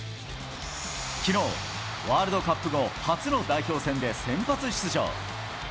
きのう、ワールドカップ後初の代表戦で先発出場。